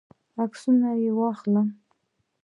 عکسونه یې واخلم.